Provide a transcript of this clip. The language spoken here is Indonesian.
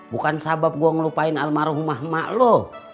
bukan sabab gue ngelupain almarhumah mak lo